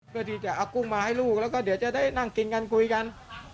เพื่อที่จะเอากุ้งมาให้ลูกแล้วก็เดี๋ยวจะได้นั่งกินกันคุยกัน